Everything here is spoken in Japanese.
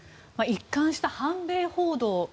一貫した反米報道。